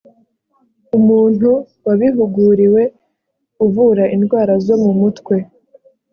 umuntu wabihuguriwe uvura indwara zo mu mutwe